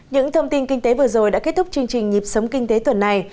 những thông tin kinh tế vừa rồi đã kết thúc chương trình nhịp sống kinh tế tuần này